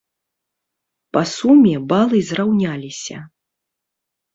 Па суме балы зраўняліся.